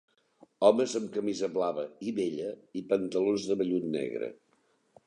Homes amb camisa blava i vella i pantalons de vellut negre